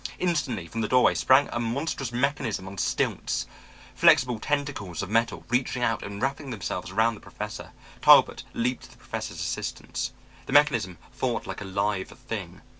Instantly from the doorway sprang a monstrous mechanism on stilts, flexible tentacles of metal reaching out and wrapping themselves around the Professor. Talbot leaped to the Professor's assistance. The mechanism fought like a live thing.